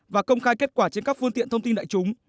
và công khai kết quả trên các phương tiện thông tin đại chúng